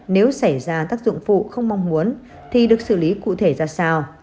nếu xảy ra tác dụng phụ không mong muốn thì được xử lý cụ thể ra sao